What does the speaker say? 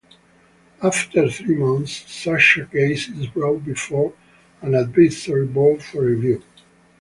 After three months, such a case is brought before an advisory board for review.